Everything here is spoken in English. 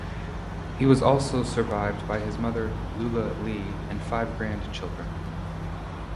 He was also survived by his mother, Lula Lee, and five grandchildren.